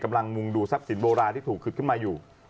มุงดูทรัพย์สินโบราณที่ถูกขุดขึ้นมาอยู่